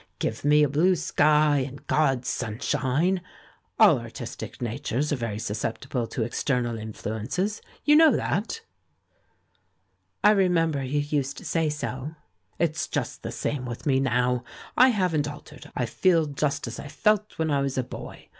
Give me a blue sky and God's sun shine! All artistic natures are very susceptible to external influences. You know that?" "I remember you used to say so.'* "It's just the same with me now; I haven't altered, I feel just as I felt when I was a boy.